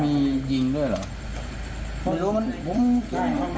มียิงด้วยหรอ